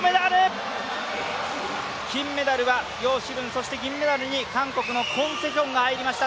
金メダルは葉詩文そして、銀メダルに韓国のクォン・セヒョンが入りました。